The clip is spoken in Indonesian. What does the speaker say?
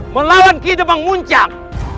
melawan kidemang muncang